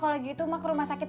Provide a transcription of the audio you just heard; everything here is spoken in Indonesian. kan mau bawa emak ke rumah sakit